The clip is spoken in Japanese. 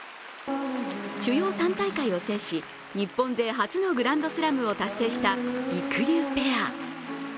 主要３大会を制し、日本勢初のグランドスラムを達成したりくりゅうペア。